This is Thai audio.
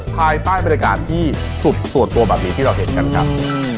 ภายใต้บรรยากาศที่สุดส่วนตัวแบบนี้ที่เราเห็นกันครับ